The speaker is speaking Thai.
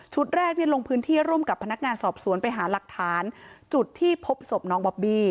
แรกลงพื้นที่ร่วมกับพนักงานสอบสวนไปหาหลักฐานจุดที่พบศพน้องบอบบี้